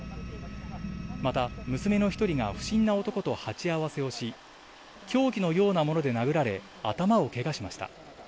また、娘の１人が不審な男と鉢合わせをし、凶器のようなもので殴られ、頭をけがしました。